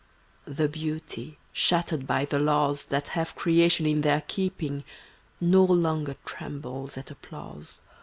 The beauty, shattered by the laws That have creation in their keeping, No longer trembles at applause.